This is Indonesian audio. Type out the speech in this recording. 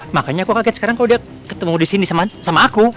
makanya aku kaget sekarang kau udah ketemu disini sama aku